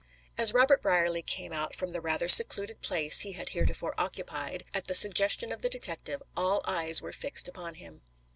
As Robert Brierly came out from the rather secluded place he had heretofore occupied, at the suggestion of the detective, all eyes were fixed upon him.